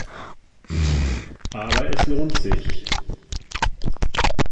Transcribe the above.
Aber es lohnt sich.